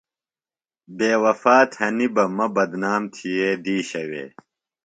بے وفا تھنیۡ بہ مہ بدنام تھیئے دیشہ وے۔